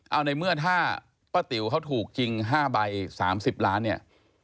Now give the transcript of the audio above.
เอาในเมื่อถ้าป้าติ๋วเขาถูกจริง๕ใบ๓๐ล้านเนี่ย